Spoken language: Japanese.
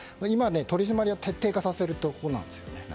取り締まりを徹底化させるところなんです。